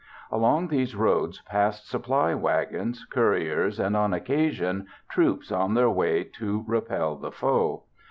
Along these roads passed supply wagons, couriers, and, on occasion, troops on their way to repel the foe.